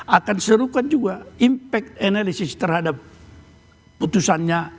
akan serukan juga impact analisis terhadap putusannya